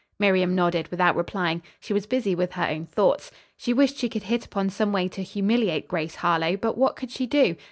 Miriam nodded without replying. She was busy with her own thoughts. She wished she could hit upon some way to humiliate Grace Harlowe. But what could she do?